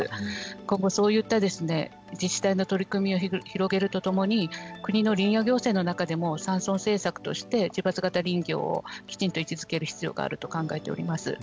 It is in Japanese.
今後そういった自治体の取り組みを広げるとともに国の林業行政の中でも山村政策として自伐型林業をきちんと位置づける必要があると考えています。